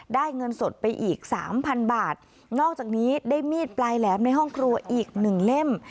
เงินสดไปอีกสามพันบาทนอกจากนี้ได้มีดปลายแหลมในห้องครัวอีกหนึ่งเล่ม